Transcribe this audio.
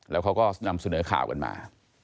แล้วเขาก็นำเสนอข่าวกันมา